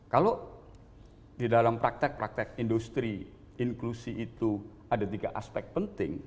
kalau di dalam praktek praktek industri inklusi itu ada tiga aspek penting